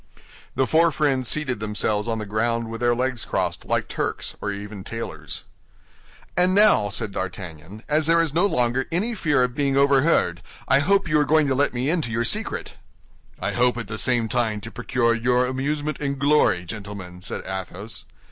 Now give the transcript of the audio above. The four friends seated themselves on the ground with their legs crossed like Turks, or even tailors. "And now," said D'Artagnan, "as there is no longer any fear of being overheard, I hope you are going to let me into your secret." "I hope at the same time to procure you amusement and glory, gentlemen," said Athos.